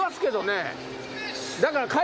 だから。